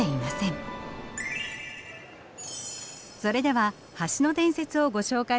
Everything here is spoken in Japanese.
それでは橋の伝説をご紹介しましょう。